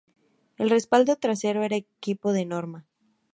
El respaldo trasero era equipo de norma.